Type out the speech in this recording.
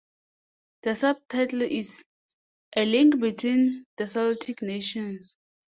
The subtitle is: 'A Link Between the Celtic Nations'.